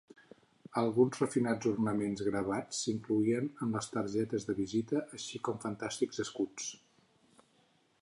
Alguns refinats ornaments gravats s'incloïen en les targetes de visita així com fantàstics escuts.